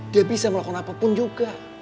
dia bisa melakukan apapun juga